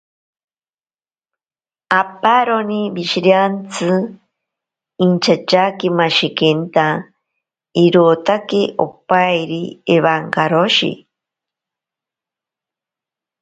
Aparoni wishiriantsi inchatyakimashikinta irotaki opairi ewankaroshi.